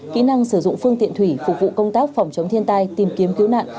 kỹ năng sử dụng phương tiện thủy phục vụ công tác phòng chống thiên tai tìm kiếm cứu nạn